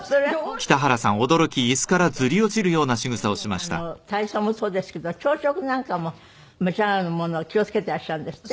随分体操もそうですけど朝食なんかも召し上がるものを気を付けてらっしゃるんですって？